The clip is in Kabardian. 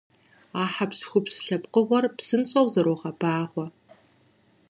А хьэпщхупщ лъэпкъыгъуэр псынщIэу зэрогъэбагъуэ.